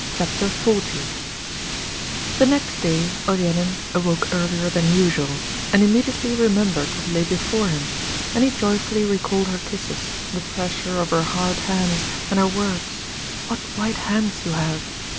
Chapter XL The next day Olenin awoke earlier than usual, and immediately remembered what lay before him, and he joyfully recalled her kisses, the pressure of her hard hands, and her words, 'What white hands you have!'